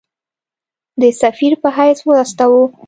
د سفیر په حیث واستاوه.